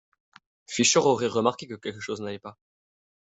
Fisher aurait remarqué que quelque chose n'allait pas.